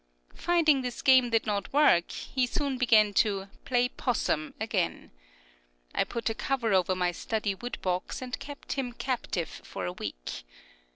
Finding this game did not work, he soon began to "play possum" again. I put a cover over my study wood box and kept him captive for a week.